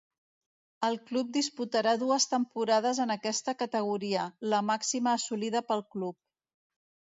El club disputarà dues temporades en aquesta categoria, la màxima assolida pel club.